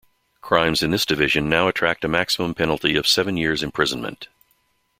Crimes in this division now attract a maximum penalty of seven years' imprisonment.